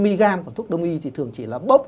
mi gam còn thuốc đông y thì thường chỉ là bốc